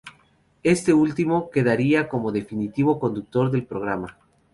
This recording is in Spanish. Este último quedaría como definitivo conductor del programa.